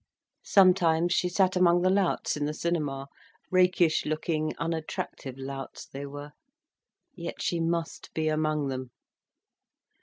Sometimes she sat among the louts in the cinema: rakish looking, unattractive louts they were. Yet she must be among them.